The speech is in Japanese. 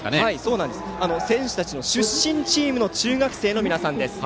選手たちの出身チームの中学生の皆さんです。